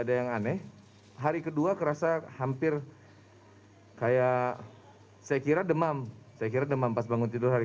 ada yang aneh hari kedua kerasa hampir kayak saya kira demam saya kira demam pas bangun tidur hari